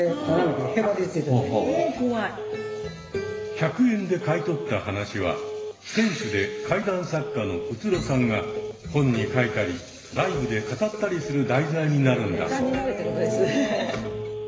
１００円で買い取った話は店主で怪談作家の宇津呂さんが本に書いたりライブで語ったりする題材になるんだそう。